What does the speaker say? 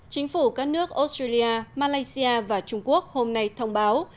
chính phủ các nước australia và trung quốc hôm nay thông báo